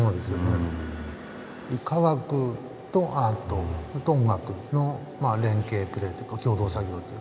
科学とアートと音楽の連係プレーというか共同作業というか。